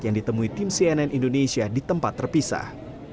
yang ditemui tim cnn indonesia di tempat terpisah